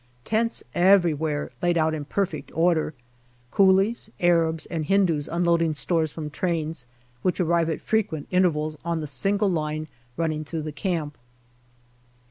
Tents everywhere, laid out in perfect order. Coolies, Arabs, and Hindus unloading stores from trains, which arrive at frequent intervals on the single line running through the camp.